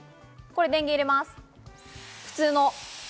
これ、電源入れます。